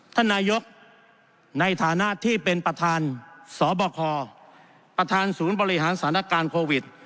ท่านนายกในฐานะที่เป็นประธานสบคประธานศูนย์บริหารสถานการณ์โควิด